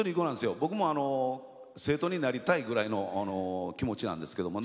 僕も生徒になりたいくらいの気持ちなんですけどね。